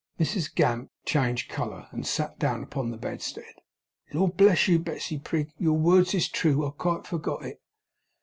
Mrs Gamp changed colour, and sat down upon the bedstead. 'Lord bless you, Betsey Prig, your words is true. I quite forgot it!